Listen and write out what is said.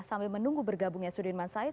sambil menunggu bergabungnya sudirman said